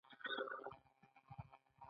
هغه لیکي چې د مغولو پاچاهانو یو بد عادت درلود.